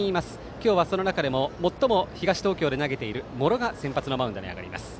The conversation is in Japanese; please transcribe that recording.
今日はその中でも最も東東京で投げている茂呂が先発のマウンドに上がります。